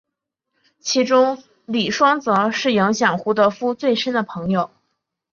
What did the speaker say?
其中李双泽是影响胡德夫最深的朋友。